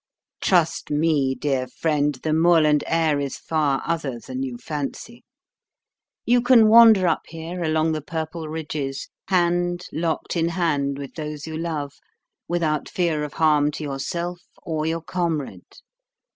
Trust me, dear friend, the moorland air is far other than you fancy. You can wander up here along the purple ridges, hand locked in hand with those you love, without fear of harm to yourself or your comrade.